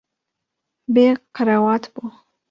Bê qerewat bû.